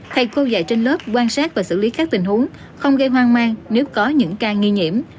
thầy cô dạy trên lớp quan sát và xử lý các tình huống không gây hoang mang nếu có những ca nghi nhiễm